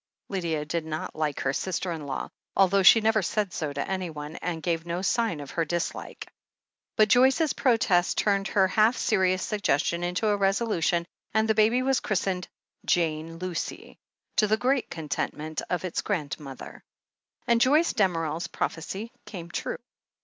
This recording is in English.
" Lydia did not like her sister in law, although she never said so to anyone, and gave no sign of her dis like. But Joyce's protest turned her half serious sug gestion into a resolution, and the baby was christened "Jane Lucy," to the great contentment of its grand mother. And Joyce Damerel's prophecy came true.